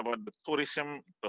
pertanyaan tentang turisme